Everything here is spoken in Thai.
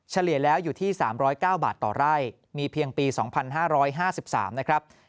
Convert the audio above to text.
เฉลี่ยแล้วอยู่ที่๓๐๙บาทต่อไร่มีเพียงปี๒๕๕๓นะครับ